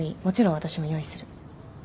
もちろん私も用意する。